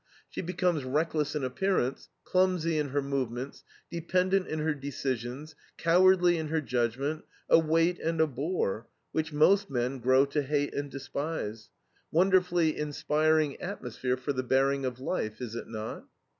She becomes reckless in appearance, clumsy in her movements, dependent in her decisions, cowardly in her judgment, a weight and a bore, which most men grow to hate and despise. Wonderfully inspiring atmosphere for the bearing of life, is it not?